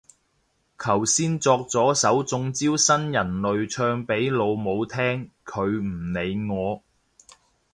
頭先作咗首中招新人類唱俾老母聽，佢唔理我